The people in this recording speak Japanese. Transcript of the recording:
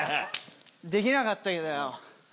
できなかったけどよ。